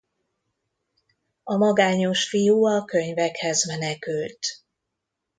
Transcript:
A magányos fiú a könyvekhez menekült.